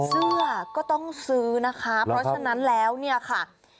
เสื้อก็ต้องซื้อนะคะเพราะฉะนั้นแล้วเนี่ยค่ะ